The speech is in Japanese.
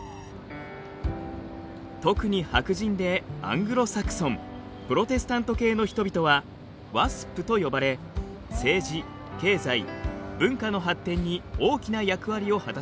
特に白人でアングロサクソンプロテスタント系の人々はワスプと呼ばれ政治経済文化の発展に大きな役割を果たしました。